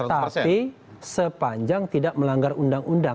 tetapi sepanjang tidak melanggar undang undang